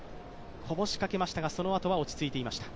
こぼしかけましたが、そのあとは落ち着いていました。